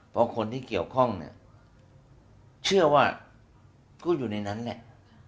เพราะคนที่เกี่ยวข้องเนี่ยเชื่อว่าก็อยู่ในนั้นแหละ